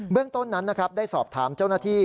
เบื้องต้นนั้นได้สอบถามเจ้าหน้าที่